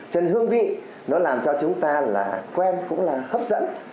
trên hương vị nó làm cho chúng ta là quen cũng là hấp dẫn